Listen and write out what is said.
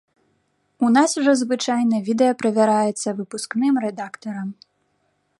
У нас жа звычайна відэа правяраецца выпускным рэдактарам.